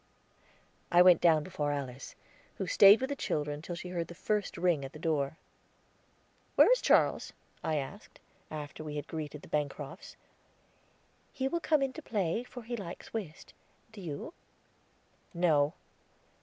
I went down before Alice, who stayed with the children till she heard the first ring at the door. "Where is Charles?" I asked, after we had greeted the Bancrofts. "He will come in time to play, for he likes whist; do you?" "No."